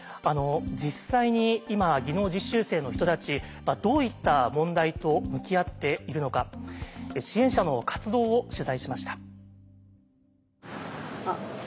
実際に今技能実習生の人たちはどういった問題と向き合っているのか支援者の活動を取材しました。